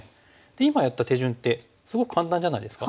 今やった手順ってすごく簡単じゃないですか？